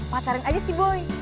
pacarin aja sih boy